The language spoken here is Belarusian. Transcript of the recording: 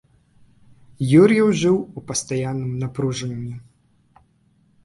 Юр'еў жыў у пастаянным напружанні.